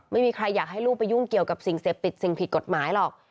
ไม่มีใครอยากให้ลูกไปยุ่งเกี่ยวกับสิ่งเสพติดสิ่งผิดกฎหมายหรอก